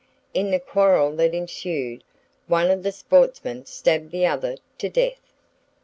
In the quarrel that ensued, one of the "sportsmen" stabbed the other to death.